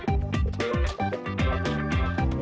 saya sudah kecil sih